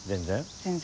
全然。